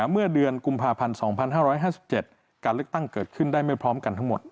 เมื่อเดือนกุมภาพันธ์๒๕๕๗การเลือกตั้งเกิดขึ้นได้ไม่พร้อมกันทั้งหมด